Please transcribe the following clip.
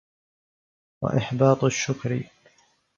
وَإِحْبَاطُ الشُّكْرِ